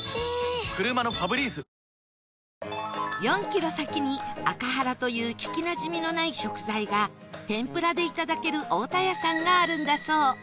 ４キロ先にアカハラという聞きなじみのない食材が天ぷらでいただけるオオタヤさんがあるんだそう